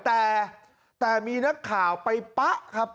แต่มีนักข่าวไปปะครับ